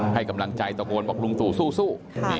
ให้กำลังใจต่อกลวงบังประกรุงสูว์สู้สู้